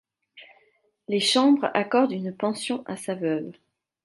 Les Chambres accordent une pension à sa veuve.